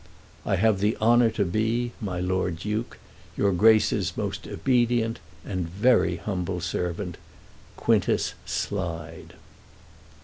I have the honour to be, My Lord Duke, Your Grace's most obedient And very humble servant, QUINTUS SLIDE.